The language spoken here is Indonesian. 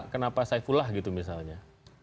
kenapa saifulah gitu misalnya